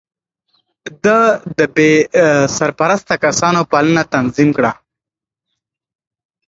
ده د بې سرپرسته کسانو پالنه تنظيم کړه.